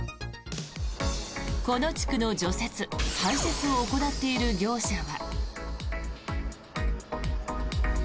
この地区の除雪・排雪を行っている業者は。